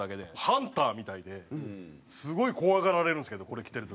ハンターみたいですごい怖がられるんですけどこれ着てる時。